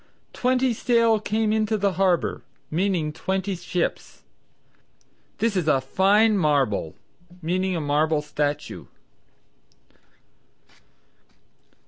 "Twenty sail came into the harbor," meaning twenty ships. "This is a fine marble," meaning a marble statue.